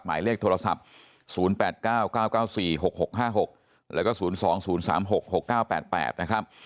หมายเลขโทรศัพท์๐๘๙๙๙๔๖๖๕๖แล้วก็๐๒๐๓๖๖๙๘๘นะครับ